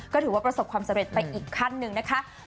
ก็ถือว่าประสบความส๐๓๖คันไปอีกคันนึงนะคะ